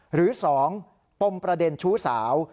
หรือ๒ปมประเด็นชู้สาว